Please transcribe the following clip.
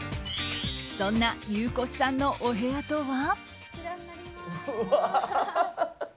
そんな、ゆうこすさんのお部屋とは？